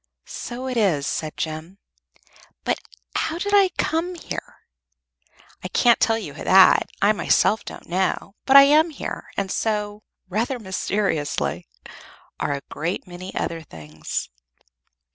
"So it is," said Jem. "But how did you come here?" "I can't tell you that; I myself don't know. But I am here, and so" rather mysteriously "are a great many other things."